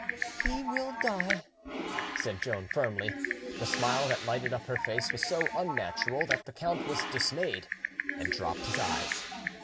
"He will die," said Joan firmly; the smile that lighted up her face was so unnatural that the count was dismayed, and dropped his eyes.